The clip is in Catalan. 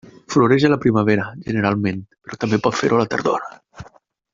Floreix a la primavera, generalment, però també pot fer-ho a la tardor.